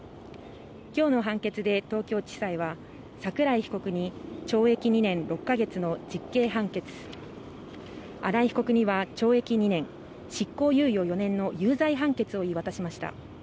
きょうの判決で東京地裁は桜井被告に懲役２年６か月の実刑判決新井被告には懲役２年執行猶予４年の有罪判決を言い渡しました